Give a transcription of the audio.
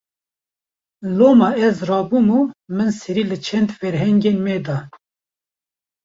Loma ez rabûm û min serî li çend ferhengên me da